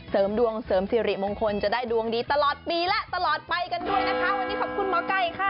เสริมดวงเสริมสิริมงคลจะได้ดวงดีตลอดปีและตลอดไปกันด้วยนะคะ